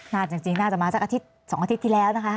น่าจริงน่าจะมาจาก๒อาทิตย์ที่แล้วนะคะ